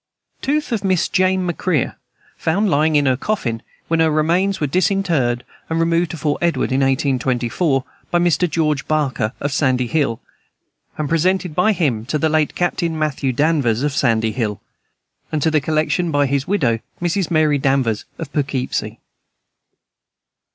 Tooth of Miss Jane M'Crea, found lying in her coffin when her remains were disinterred and removed to Fort Edward in 1824, by Mr. George Barker, of Sandy Hill, and presented by him to the late Captain Matthew Danvers, of Sandy Hill, and to the collection by his widow, Mrs. Mary Danvers, of Poughkeepsie.